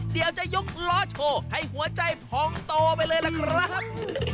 เดี๋ยวจะยกล้อโชว์ให้หัวใจพองโตไปเลยล่ะครับ